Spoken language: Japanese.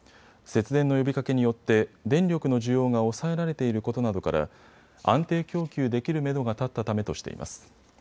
節電の呼びかけによって電力の需要が抑えられていることなどから安定供給できるめどが立ったためとしています。